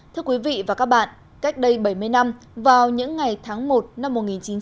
thưa quý vị và các bạn cách đây bảy mươi năm vào những ngày tháng một năm một nghìn chín trăm bảy mươi